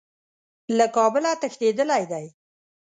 له کابله تښتېدلی دی.